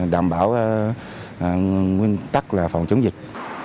đảm bảo nguyên tắc là phòng chống dịch